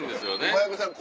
小籔さん